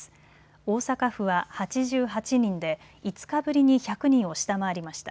大阪府は８８人で５日ぶりに１００人を下回りました。